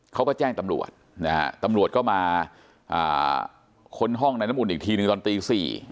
เขาก็แจ้งตำรวจตำรวจก็มาค้นห้องในน้ำอุ่นอีกทีหนึ่งตอนตีสี่